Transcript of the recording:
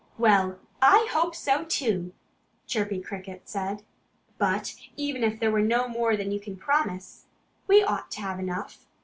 "Well, I hope so, too," Chirpy Cricket said. "But even if there were no more than you can promise, we ought to have enough.